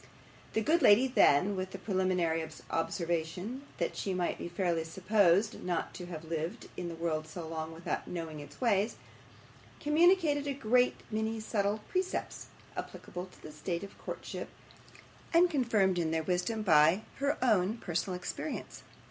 The good lady then, with the preliminary observation that she might be fairly supposed not to have lived in the world so long without knowing its ways, communicated a great many subtle precepts applicable to the state of courtship, and confirmed in their wisdom by her own personal experience.